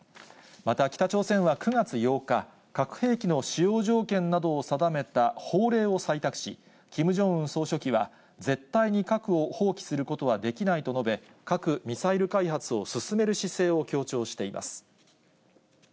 また、北朝鮮は９月８日、核兵器の使用条件などを定めた法令を採択し、キム・ジョンウン総書記は、絶対に核を放棄することはできないと述べ、核・ミサイル開発を進める姿勢を強調しています。